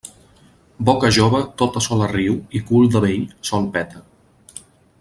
Boca jove tota sola riu i cul de vell sol peta.